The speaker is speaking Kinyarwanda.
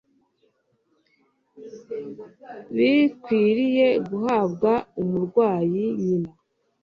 bikwiriye guhabwa umurwayi Nyina